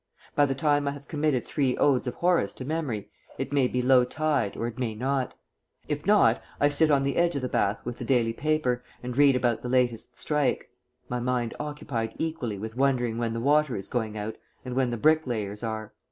By the time I have committed three Odes of Horace to memory, it may be low tide or it may not; if not, I sit on the edge of the bath with the daily paper and read about the latest strike my mind occupied equally with wondering when the water is going out and when the bricklayers are.